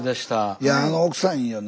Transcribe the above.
いやあの奥さんいいよね。